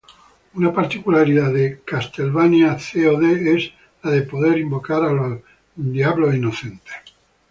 Una particularidad de Castlevania CoD es la de poder invocar a los Innocent Devils.